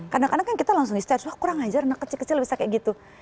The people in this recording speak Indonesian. kadang kadang kan kita langsung research wah kurang aja anak kecil kecil bisa kayak gitu